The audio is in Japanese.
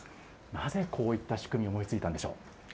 なぜこういった仕組みを思いついたんでしょう。